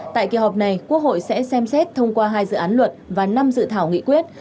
tại kỳ họp này quốc hội sẽ xem xét thông qua hai dự án luật và năm dự thảo nghị quyết